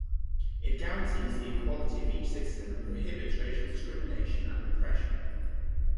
It guarantees the equality of each citizen and it prohibits racial discrimination and oppression.